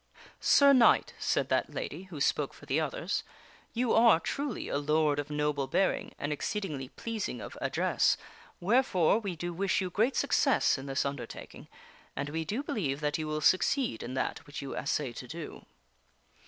" Sir Knight," said that lady who spoke for the others, " you are, truly, a lord of noble bearing and exceedingly pleasing of address, wherefore we do wish you great success in this undertaking ; and we do believe that you will succeed in that which you assay to do."